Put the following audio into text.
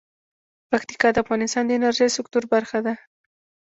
پکتیکا د افغانستان د انرژۍ سکتور برخه ده.